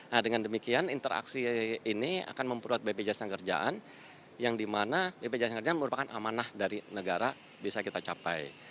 nah dengan demikian interaksi ini akan memperkuat bpjs dan kerjaan yang dimana bpjs kerja merupakan amanah dari negara bisa kita capai